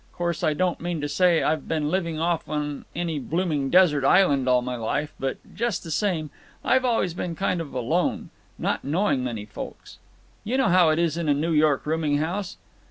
Course I don't mean to say I've been living off on any blooming desert island all my life, but, just the same, I've always been kind of alone—not knowing many folks. You know how it is in a New York rooming house.